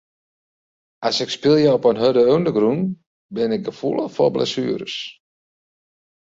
As ik spylje op in hurde ûndergrûn bin ik gefoelich foar blessueres.